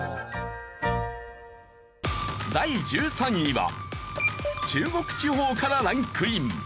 第１３位は中国地方からランクイン。